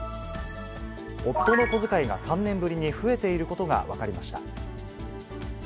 夫の小遣いが３年ぶりに増えていることが分かりました。